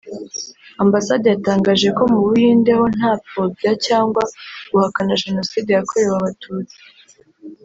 Ambassade yatangaje ko mu Buhinde ho nta pfobya cyangwa guhakana Jenocide yakorewe Abatutsi